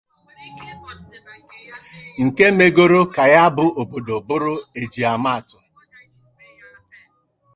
nke megoro ka ya bụ obodo bụrụ ejiamaatụ.